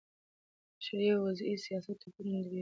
د شرعې او وضي سیاست توپیرونه درې دي.